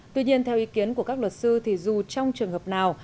tuy nhiên theo ý kiến của các luật sư thì dù trong trường hợp nào